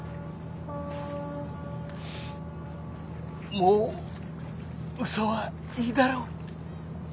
もうウソはいいだろう